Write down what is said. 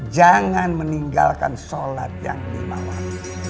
jangan meninggalkan sholat yang dimalam